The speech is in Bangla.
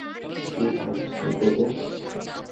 কী ভাবিস নিজেকে?